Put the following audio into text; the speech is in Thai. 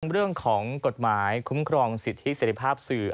เรื่องของกฎหมายคุ้มครองสิทธิเสร็จภาพสื่อ